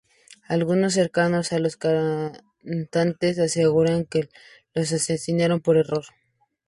Algunos cercanos a los cantantes aseguran que los asesinaron por error.